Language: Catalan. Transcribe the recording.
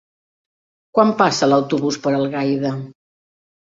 Quan passa l'autobús per Algaida?